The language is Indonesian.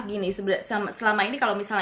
gini selama ini kalau misalnya